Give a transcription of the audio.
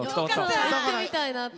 行ってみたいなと思った。